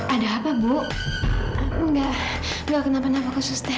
ada apa bu enggak enggak kenapa kenapa ku suster